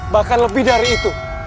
bahkan lebih dari itu